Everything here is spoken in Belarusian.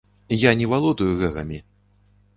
Я не валодаю гэгамі.